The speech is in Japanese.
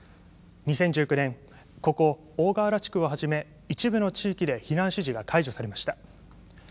２０１９年にはここ大川原地区を含め一部の地域で避難指示が解除されました。